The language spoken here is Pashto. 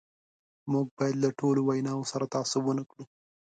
موږ باید له ټولو ویناوو سره تعصب ونه کړو.